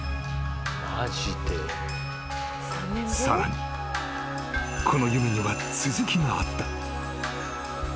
［さらにこの夢には続きがあった］